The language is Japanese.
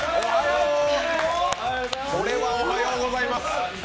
これはおはようございます！